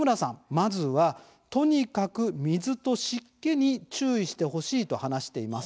まずは、とにかく水と湿気に注意してほしいと話しています。